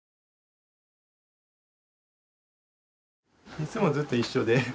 いつもずっと一緒で。